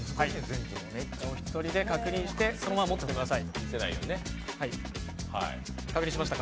お一人で確認して、そのまま持っていてください。